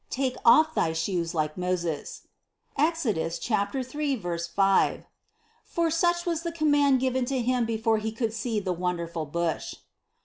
Take off thy shoes like Moses (Exodus 3, 5), for such was the command given to him before he could see the wonderful bush."